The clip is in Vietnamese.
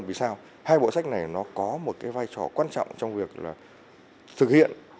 vì sao hai bộ sách này nó có một cái vai trò quan trọng trong việc là thực hiện